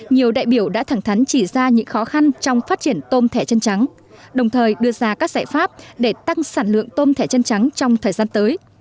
nhiều đại biểu đã thẳng thắn chỉ ra những khó khăn trong phát triển tôm thẻ chân trắng đồng thời đưa ra các giải pháp để tăng sản lượng tôm thẻ chân trắng trong thời gian tới